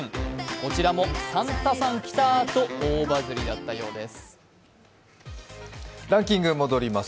こちらもサンタさん来たーと大バズりだったようです。